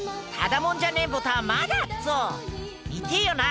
見てえよな？